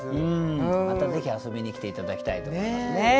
またぜひ遊びに来て頂きたいと思いますね。